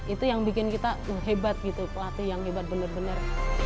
itu yang bikin kita hebat gitu pelatih yang hebat benar benar